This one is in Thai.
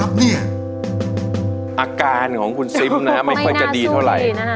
ไม่น่าทรุดดีนะคะ